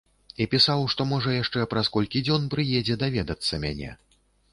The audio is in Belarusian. І пісаў, што, можа, яшчэ праз колькі дзён прыедзе даведацца мяне.